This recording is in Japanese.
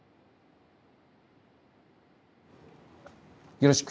よろしく！